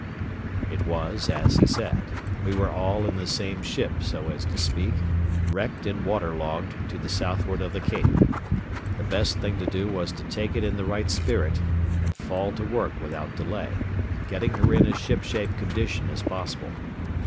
It was as he said. We were all in the same ship, so as to speak, wrecked and water logged to the southward of the Cape. The best thing to do was to take it in the right spirit and fall to work without delay, getting her in as shipshape condition as possible.